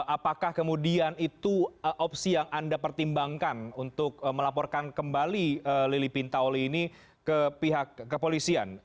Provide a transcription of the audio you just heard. apakah kemudian itu opsi yang anda pertimbangkan untuk melaporkan kembali lili pintauli ini ke pihak kepolisian